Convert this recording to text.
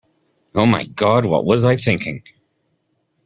Oh my God, what was I thinking?